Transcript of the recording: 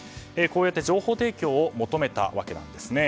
こうやって情報提供を求めたわけなんです。